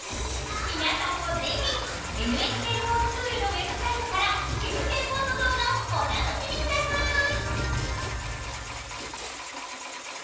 皆さんも是非ＮＨＫｆｏｒＳｃｈｏｏｌのウェブサイトから９，０００本の動画をお楽しみください！